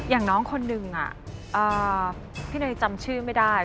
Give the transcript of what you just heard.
อย่างน้องคนหนึ่งพี่เนยจำชื่อไม่ได้